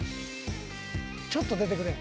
［ちょっと出てくれ］